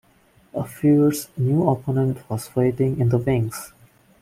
A fierce new opponent was waiting in the wings.